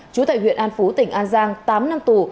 chú tại huyện an phú tỉnh an giang tám năm tù